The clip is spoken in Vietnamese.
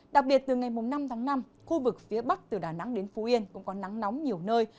đặc biệt từ ngày năm tháng năm khu vực phía bắc từ đà nẵng đến phú yên cũng có nắng nóng nhiều nơi